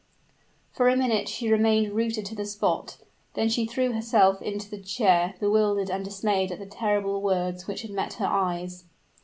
For a minute she remained rooted to the spot; then she threw herself into the chair, bewildered and dismayed at the terrible words which had met her eyes.